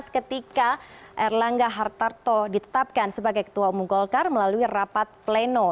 ketika erlangga hartarto ditetapkan sebagai ketua umum golkar melalui rapat pleno